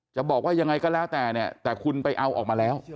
จะบอกว่ายังไงก็แล้วแต่เนี่ยแต่คุณไปเอาออกมาแล้ว